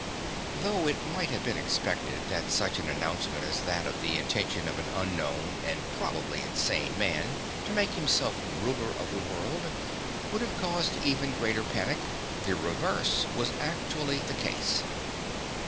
Though it might have been expected that such an announcement as that of the intention of an unknown and probably insane man to make himself ruler of the world would have caused even greater panic, the reverse was actually the case.